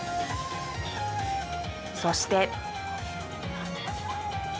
そして。